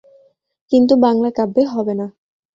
কিন্তু বাংলা কাব্যে হবে না।